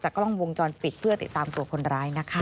กล้องวงจรปิดเพื่อติดตามตัวคนร้ายนะคะ